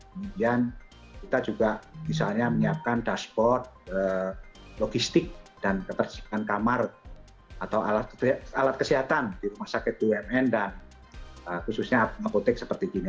kemudian kita juga misalnya menyiapkan dashboard logistik dan ketersediaan kamar atau alat kesehatan di rumah sakit bumn dan khususnya apotek seperti gini